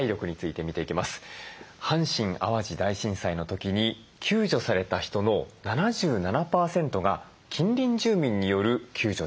阪神・淡路大震災の時に救助された人の７７％が近隣住民による救助でした。